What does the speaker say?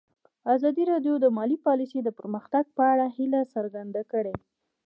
ازادي راډیو د مالي پالیسي د پرمختګ په اړه هیله څرګنده کړې.